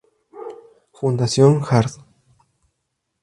Foundation Hard.